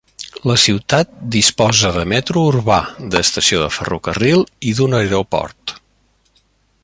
La ciutat disposa de metro urbà, d'estació de ferrocarril i d'un aeroport.